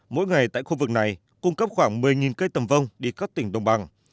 mỗi ngày tại khu vực này cung cấp khoảng một mươi cây tầm vong đi các tỉnh đồng bằng